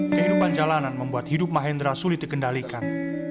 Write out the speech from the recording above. kehidupan jalanan membuat hidup mahendra sulit dikendalikan